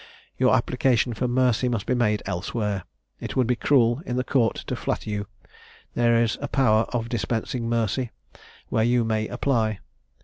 Your application for mercy must be made elsewhere; it would be cruel in the court to flatter you; there is a power of dispensing mercy, where you may apply.